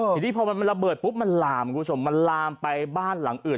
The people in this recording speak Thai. ทีนี้พอมันระเบิดปุ๊บมันลามคุณผู้ชมมันลามไปบ้านหลังอื่น